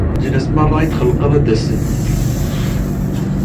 Leǧnas merra i d-txelqeḍ, ad d-asen.